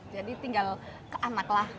jadi tinggal ke anak lah